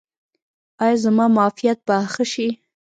ایا زما معافیت به ښه شي؟